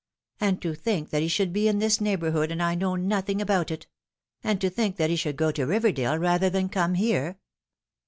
And to think that he should be in this neighbourhood and I know nothing about it ; and to think that he should go to Biverdale rather than come here